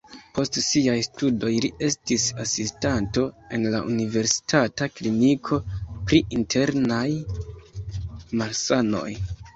Post siaj studoj li estis asistanto en la universitata kliniko pri internaj malsanoj.